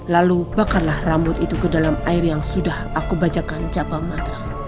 lalu bakarlah rambut itu ke dalam air yang sudah aku bacakan cabang matra